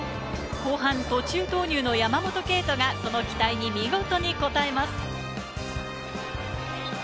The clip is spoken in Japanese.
後半、途中投入の山本慶斗がその期待に見事に応えます。